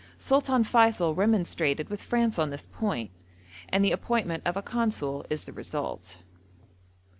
Sultan Feysul remonstrated with France on this point, and the appointment of a Consul is the result.